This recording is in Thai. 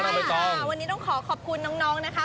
ใช่ค่ะวันนี้ต้องขอขอบคุณน้องนะคะ